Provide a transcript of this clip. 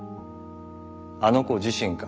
あの子自身か？